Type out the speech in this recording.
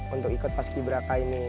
untuk ikut pas ki braka ini